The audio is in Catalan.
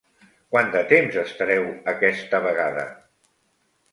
Quant de temps estareu aquesta vegada?